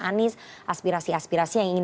anies aspirasi aspirasi yang ingin